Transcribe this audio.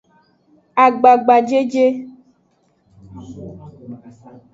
Agbagbajeje.